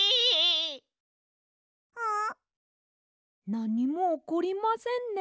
なにもおこりませんね。